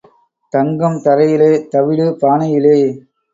தங்கம் தரையிலே தவிடு பானையிலே.